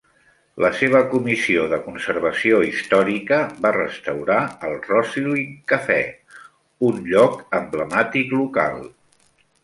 La seva Comissió de Conservació Històrica va restaurar el Rosyln Cafe, un lloc emblemàtic local.